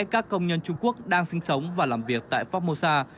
các công nhân trung quốc đang sinh sống và làm việc tại phong mô sa